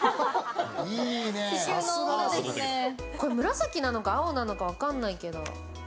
紫なのか青なのか分かんないけど。